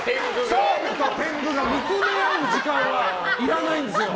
澤部と天狗が見つめ合う時間はいらないんですよ！